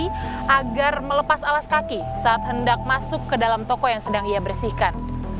polisi agar melepas alas kaki saat hendak masuk ke dalam toko yang sedang ia bersihkan